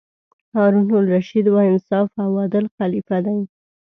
هارون الرشید با انصافه او عادل خلیفه دی.